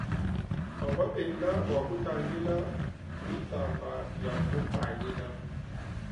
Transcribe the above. Bavwa benda bwa ktangila btamba bia kupanyina.